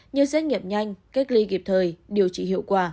như xét nghiệm nhanh cách ly kịp thời điều trị hiệu quả